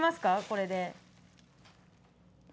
これで。